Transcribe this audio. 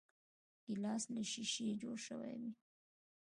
ګیلاس له شیشې جوړ شوی وي.